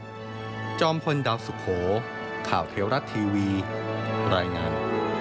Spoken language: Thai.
จอมพลดาวสุโขข่าวเทวรัฐทีวีรายงาน